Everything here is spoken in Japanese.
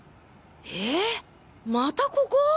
えまたここ？